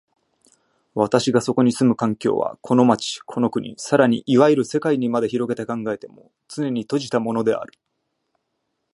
私がそこに住む環境は、この町、この国、更にいわゆる世界にまで拡げて考えても、つねに閉じたものである。